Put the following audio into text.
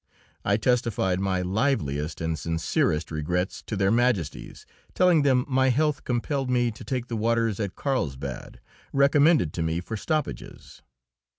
I testified my liveliest and sincerest regrets to Their Majesties, telling them my health compelled me to take the waters at Carlsbad, recommended to me for stoppages.